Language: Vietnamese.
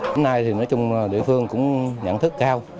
hôm nay thì nói chung là địa phương cũng nhận thức cao